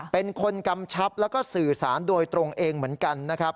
เป็นคนกำชับแล้วก็สื่อสารโดยตรงเองเหมือนกันนะครับ